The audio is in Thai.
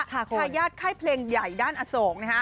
ค่ะคนทายาทไข้เพลงใหญ่ด้านอโศก